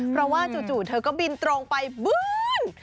เพราะว่าจู่เธอก็บินตรงไปบื้น